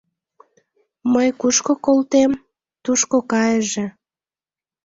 Мый кушко колтем, тушко кайыже».